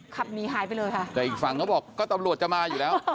ขับหนีหายไปเลยค่ะแต่อีกฝั่งเขาบอกก็ตำรวจจะมาอยู่แล้ว